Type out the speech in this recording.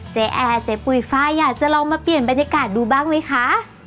แอร์เจ๊ปุ๋ยฟ้าอยากจะลองมาเปลี่ยนบรรยากาศดูบ้างไหมคะ